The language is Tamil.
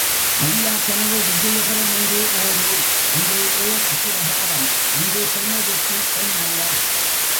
அழியாக் கனவு விஜயபுரம் என்று ஓர் ஊர், அங்கே ஓர் அக்கிரகாரம் அங்கே பெண் ஒருத்தி பெண் அல்ல.